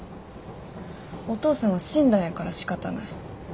お父さんは死んだんやからしかたない。